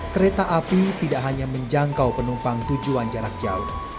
kereta api tidak hanya menjangkau penumpang tujuan jarak jauh